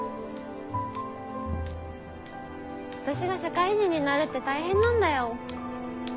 私が社会人になるって大変なんだよ。